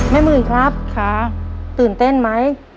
แม่หมื่นครับตื่นเต้นไหม